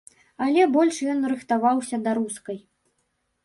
Але больш ён рыхтаваўся да рускай.